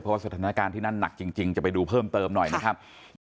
เพราะว่าสถานการณ์ที่นั่นหนักจริงจะไปดูเพิ่มเติมหน่อยนะครับ